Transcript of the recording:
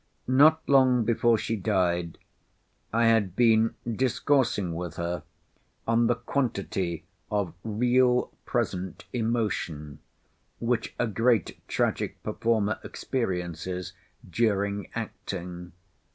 Not long before she died I had been discoursing with her on the quantity of real present emotion which a great tragic performer experiences during acting.